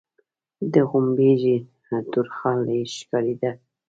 د غومبري تور خال يې ښکارېده.